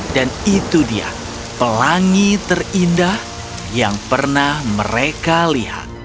dan itu dia pelangi terindah yang pernah mereka lihat